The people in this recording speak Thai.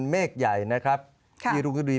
เมฆใหญ่พี่รุงดุรี